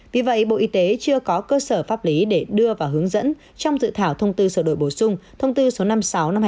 vì vậy bộ y tế chưa có cơ sở pháp lý để đưa và hướng dẫn trong dự thảo thông tư sửa đổi bổ sung thông tư số năm mươi sáu năm hai nghìn một mươi ba